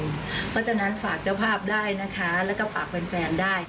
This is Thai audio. เพราะฉะนั้นฝากเจ้าภาพได้แล้วก็ฝากเพลินแฟนได้